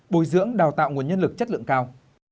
bồi dưỡng đào tạo nguồn nhân lực chất lượng cao